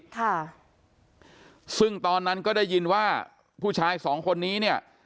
ค่ะซึ่งตอนนั้นก็ได้ยินว่าผู้ชายสองคนนี้เนี่ย